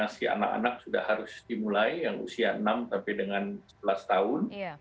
vaksinasi anak anak sudah harus dimulai yang usia enam sampai dengan sebelas tahun